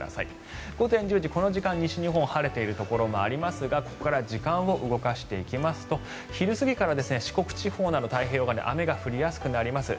午前１０時この時間西日本、晴れているところありますがここから時間を動かしていきますと昼過ぎから四国地方太平洋側などで雨が降りやすくなります。